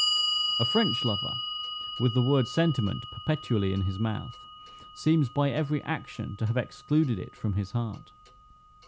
A French lover, with the word sentiment perpetually in his mouth, seems by every action to have excluded it from his heart.